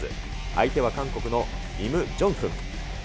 相手は韓国のイム・ジョンフン。